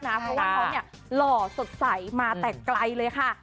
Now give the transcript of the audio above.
เพราะว่าเขาหล่อสดใสมาแต่ไกลเลยค่ะ